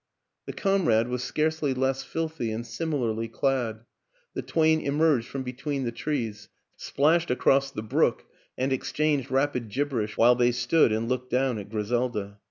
The comrade was scarcely less filthy and similarly clad; the twain emerged from between the trees, splashed across the brook and exchanged rapid gibberish while they stood and looked down at Griselda.